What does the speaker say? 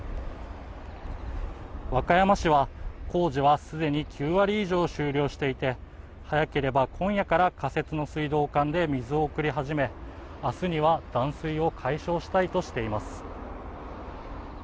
和歌山市は、工事はすでに９割以上終了していて、早ければ今夜から仮設の水道管で水を送り始め、あすには断水を解消したいとしています。